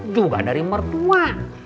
juga dari mertua